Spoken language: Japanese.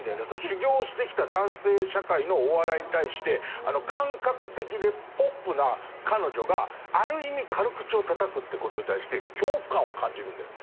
修業してきた男性社会のお笑いに対してあの感覚的でポップな彼女がある意味軽口をたたくってことに対して恐怖感を感じるんだよね。